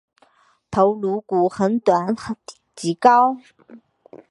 头颅骨很短及高。